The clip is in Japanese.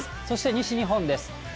そして西日本です。